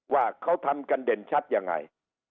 ว่าเขาทำกันเด่นชัดยังไง